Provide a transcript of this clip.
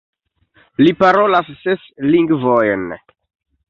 Li parolas ses lingvojn.